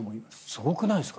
すごくないですか？